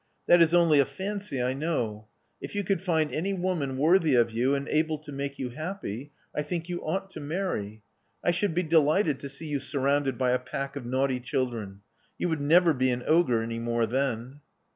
That is only a fancy, I know. If you could find any woman worthy of you and able to make you happy, I think you ought to marry. I should be delighted to see 3''ou surrounded by a pack of naughty children. You would never be an ogre any more then."